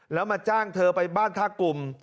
แล้วมาจ้างเธอไปบ้านท่ากลุ่ม